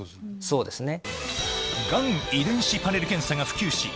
そうですね。